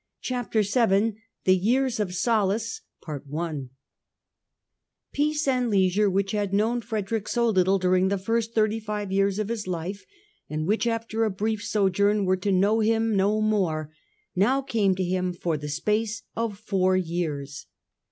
Chapter VII THE TEARS OF SOLACE PEACE and leisure, which had known Frederick so little during the first thirty five years of his life, and which, after a brief sojourn, were to know him no more, now came to him for the space of four years.